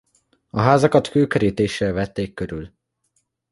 A házakat kőkerítéssel vették körül.